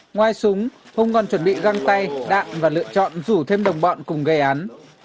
ngoài súng hùng còn chuẩn bị găng tay đạn và lựa chọn rủ thêm đồng bọn cùng gây án